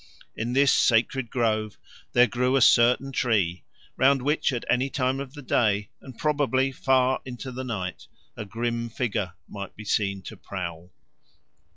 In this sacred grove there grew a certain tree round which at any time of the day, and probably far into the night, a grim figure might be seen to prowl.